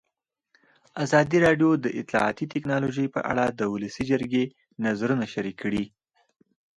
ازادي راډیو د اطلاعاتی تکنالوژي په اړه د ولسي جرګې نظرونه شریک کړي.